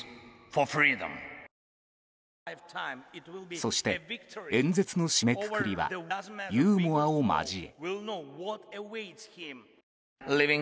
そして、演説の締めくくりはユーモアを交え。